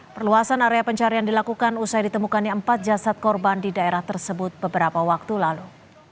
perluasan area pencarian dilakukan usai ditemukannya empat jasad korban di daerah tersebut beberapa waktu lalu